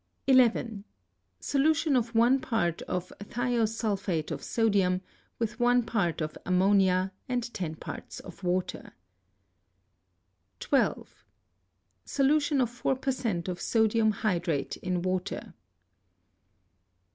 11. Solution of one part of thiosulphate of sodium with one part of ammonia and 10 parts of water. 12. Solution of 4 per cent. of sodium hydrate in water.